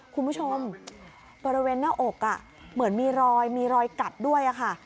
คุณผู้ชมบริเวณหน้าอกเหมือนมีรอยมีรอยกัดด้วยค่ะ